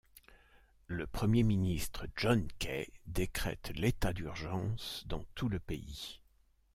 Le Premier ministre John Key décrète l'état d'urgence dans tout le pays.